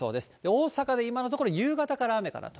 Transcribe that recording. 大阪で今のところ、夕方から雨かなと。